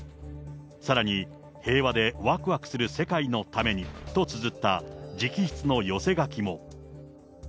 さらに平和でワクワクする世界のためにとつづった直筆の寄せ書きも。